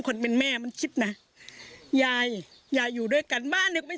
คนเป็นแม่มันคิดนะยายยายอยู่ด้วยกันบ้านนึกไม่